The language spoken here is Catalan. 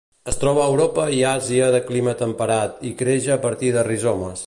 Es troba a Europa i Àsia de clima temperat, i creix a partir de rizomes.